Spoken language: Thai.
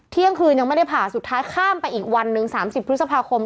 เที่ยงคืนยังไม่ได้ผ่าสุดท้ายข้ามไปอีกวันหนึ่ง๓๐พฤษภาคม